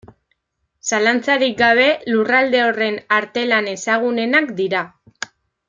Zalantzarik gabe lurralde horren arte-lan ezagunenak dira.